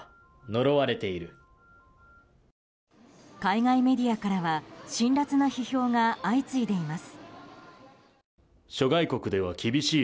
海外メディアからは辛辣な批評が相次いでいます。